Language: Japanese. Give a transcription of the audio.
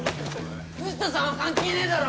藤田さんは関係ねえだろ！